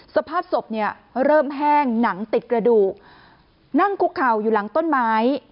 สภาพศพเนี่ยเริ่มแห้งหนังติดกระดูกนั่งคุกเข่าอยู่หลังต้นไม้